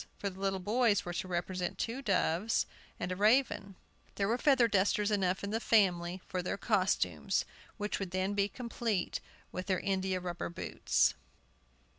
For the little boys were to represent two doves and a raven. There were feather dusters enough in the family for their costumes, which would be then complete with their india rubber boots.